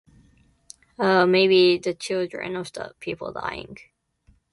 Uh, maybe the children of the people dying.